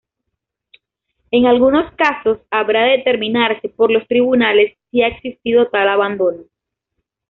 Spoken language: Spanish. En algunos casos, habrá de determinarse por los tribunales si ha existido tal abandono.